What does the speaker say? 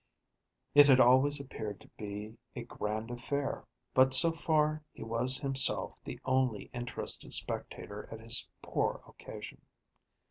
It had always appeared to be a grand affair, but so far he was himself the only interested spectator at his poor occasion.